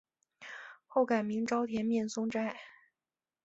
后改名沼田面松斋。